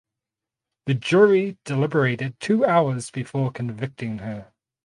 The jury deliberated two hours before convicting her.